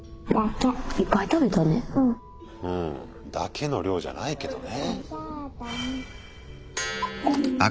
うん「だけ」の量じゃないけどね。